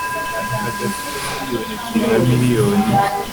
ari hagati ya miliyoni ebyiri na miliyoni